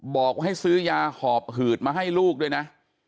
บอกว่าให้ซื้อยาหอบหืดมาให้ลูกด้วยนะ